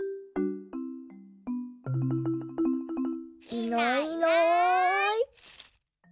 いないいない。